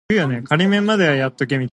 向村里的人借钱